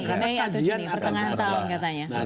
kajian akan mengerah